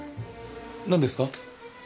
何ですか？